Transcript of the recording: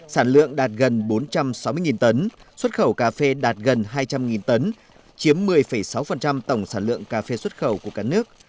sản lượng đạt gần bốn trăm sáu mươi tấn xuất khẩu cà phê đạt gần hai trăm linh tấn chiếm một mươi sáu tổng sản lượng cà phê xuất khẩu của cả nước